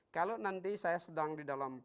kalau nanti saya sedang di dalam